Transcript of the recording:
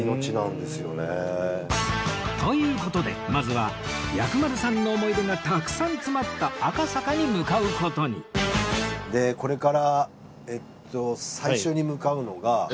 という事でまずは薬丸さんの思い出がたくさん詰まった赤坂に向かう事にでこれから。